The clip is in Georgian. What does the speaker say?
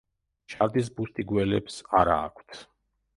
შარდის ბუშტი გველებს არა აქვთ.